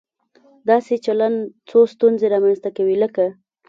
داسې چلن څو ستونزې رامنځته کوي، لکه